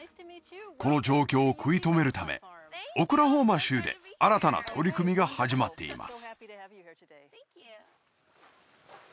この状況を食い止めるためオクラホマ州で新たな取り組みが始まっています